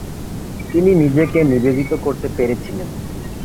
তিনি নিজেকে নিবেদিত করতে পেরেছিলেন।